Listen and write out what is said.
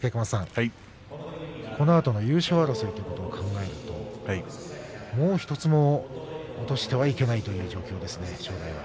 このあとの優勝争いということを考えるともう１つも落としてはいけないという状況ですね、正代は。